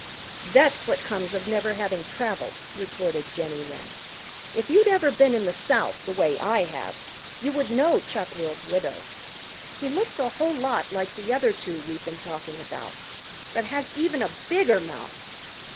"That's what comes of never having traveled," retorted Jenny Wren. "If you'd ever been in the South the way I have you would know Chuck will's widow. He looks a whole lot like the other two we've been talking about, but has even a bigger mouth.